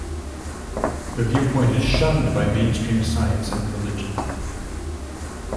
The viewpoint is shunned by mainstream science and religion.